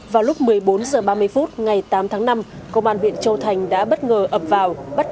vào lúc một mươi bốn h ba mươi phút ngày tám tháng năm công an huyện châu thành đã bất ngờ ập vào bắt